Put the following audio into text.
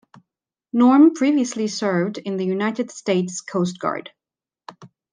Norm previously served in the United States Coast Guard.